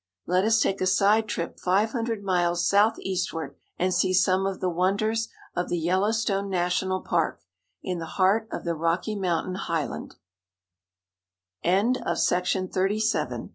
Let us take a side trip five hundred miles southeastward, and see some of the won ders of the Yellowstone National Park, in the heart of the Rocky Mountain highl